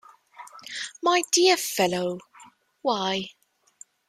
My dear fellow, why?